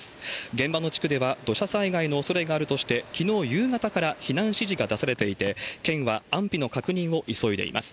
現場の地区では、土砂災害のおそれがあるとして、きのう夕方から避難指示が出されていて、県は安否の確認を急いでいます。